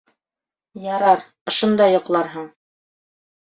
Ярар, ошонда йоҡларһың.